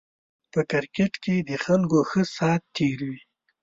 په کرکېټ کې د خلکو ښه سات تېر وي